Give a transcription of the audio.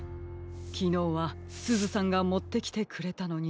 きのうはすずさんがもってきてくれたのに。